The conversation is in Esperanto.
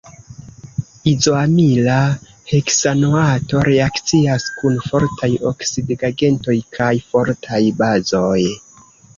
Izoamila heksanoato reakcias kun fortaj oksidigagentoj kaj fortaj bazoj.